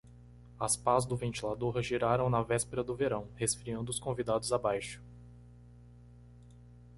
As pás do ventilador giraram na véspera do verão, resfriando os convidados abaixo.